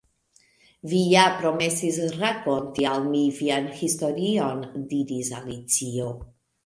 "Vi ja promesis rakonti al mi vian historion," diris Alicio.